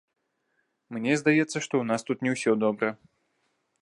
Мне здаецца, што ў нас тут не ўсё добра.